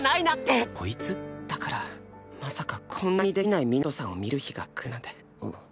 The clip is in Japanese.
だからまさかこんなにできないみなとさんを見る日がくるなんて。